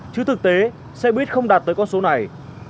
chứ thực tế xe buýt không đạt tới con số này